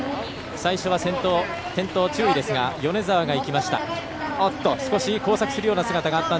最初は先頭、転倒注意ですが米澤が行きました。